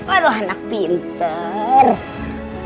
aduh anak pinter